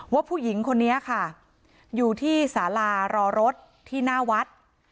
ว่าผู้หญิงคนนี้ค่ะอยู่ที่สารารอรถที่หน้าวัด